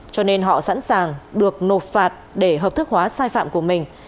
cho nên họ sẵn sàng được nộp phạt để hợp thức hóa sai phạm của mình